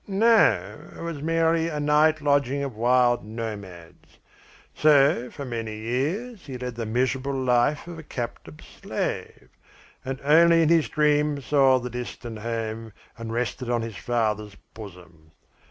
"No, it was merely a night lodging of wild nomads. So for many years he led the miserable life of a captive slave, and only in his dreams saw the distant home and rested on his father's bosom.